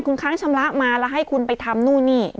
คุณค้างชำระมาแล้วให้คุณไปทำนู่นนี่